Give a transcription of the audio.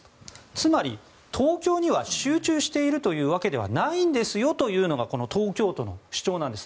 つまり、東京には集中しているというわけではないんですよというのが東京都の主張なんです。